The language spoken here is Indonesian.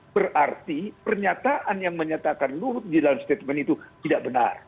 berarti pernyataan yang menyatakan luhut di dalam statement itu tidak benar